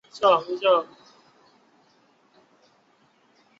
伊秩用向日葵表达出对大家充满生机向前的希望。